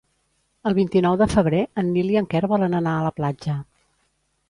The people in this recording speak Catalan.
El vint-i-nou de febrer en Nil i en Quer volen anar a la platja.